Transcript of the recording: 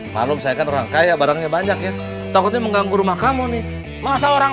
malu saya kan orang kaya barangnya banyak ya takutnya mengganggu rumah kamu nih masa orang